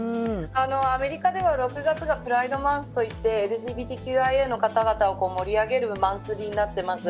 アメリカでは、６月がプライドマンスといって、ＬＧＢＴＱの人を盛り上げるマンスになってます。